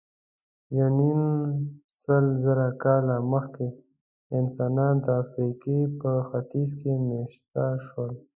یونیمسلزره کاله مخکې انسانان د افریقا په ختیځ کې مېشته شول.